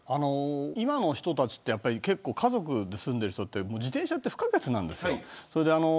今の人たちは家族で住んでいる人って結構自転車は不可欠なんです。